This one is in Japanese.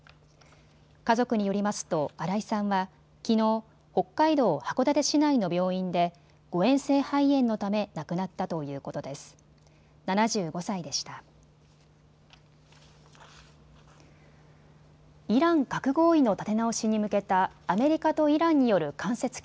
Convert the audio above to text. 家族によりますと新井さんはきのう、北海道函館市内の病院で誤えん性肺炎のため亡くなったということです。